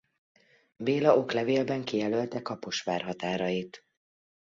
Béla oklevélben kijelölte Kaposvár határait.